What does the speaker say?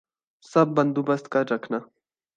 سب بندوبست کر رکھنا